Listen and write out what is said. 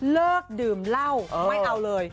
เลิกดื่มเหล้าไม่เอาเลย